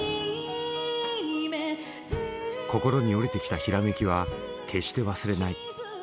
心に降りてきたひらめきは決して忘れない。